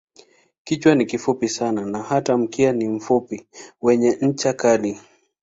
Kichwa ni kifupi sana na hata mkia ni mfupi wenye ncha kali.